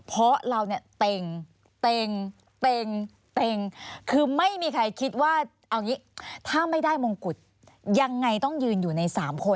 เพราะเราเนี่ยตังค์ตังค์ตังค์ตังค์คือไม่มีใครคิดว่าถ้าไม่ได้มงกุฎยังไงต้องยืนอยู่ในสามคน